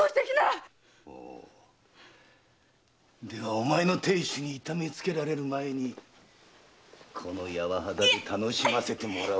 お前の亭主に痛めつけられる前にこの柔肌で楽しませてもらおうか。